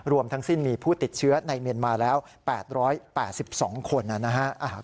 รวมทั้งสิ้นมีผู้ติดเชื้อในเมียนมาแล้ว๘๘๒คนนะฮะ